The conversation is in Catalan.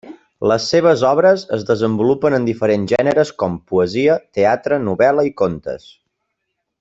Les seves obres es desenvolupen en diferents gèneres com poesia, teatre, novel·la i contes.